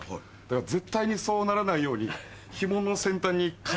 だから絶対にそうならないようにひもの先端に。